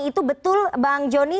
itu betul bang joni